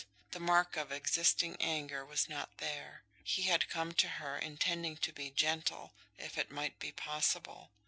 The mark of existing anger was not there. He had come to her intending to be gentle, if it might be possible.